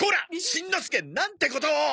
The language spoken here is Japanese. しんのすけ！なんてことを。